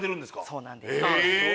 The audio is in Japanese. そうなんです。